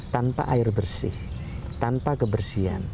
tanpa air bersih tanpa kebersihan